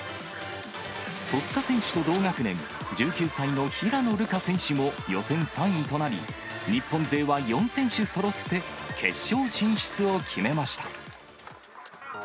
戸塚選手と同学年、１９歳の平野流佳選手も、予選３位となり、日本勢は４選手そろって決勝進出を決めました。